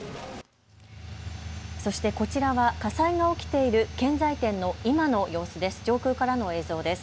そしてこちらは火災が起きている建材店の今の様子、上空からの映像です。